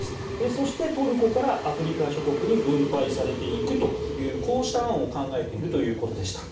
そしてトルコからアフリカ諸国に分配されていくというこうした案を考えているということでした。